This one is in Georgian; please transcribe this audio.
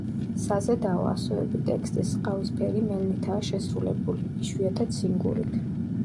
საზედაო ასოები ტექსტის ყავისფერი მელნითაა შესრულებული, იშვიათად სინგურით.